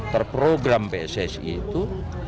terprogram pssi itu